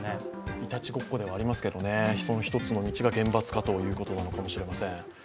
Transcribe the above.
いたちごっこではありますけどその一つを厳罰化ということなのかもしれません。